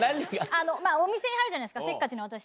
お店に入るじゃないですかせっかちな私たち。